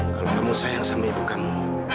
kalau kamu sayang sama ibu kamu